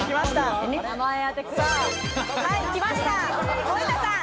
さぁきました森田さん